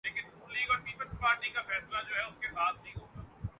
غیور دلیر بہادر بلوچ مسلمان کے لیئے وہ خوشی کا دن تھا